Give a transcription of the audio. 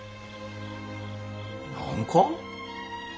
何か？